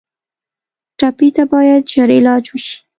ټپي ته باید ژر علاج وشي.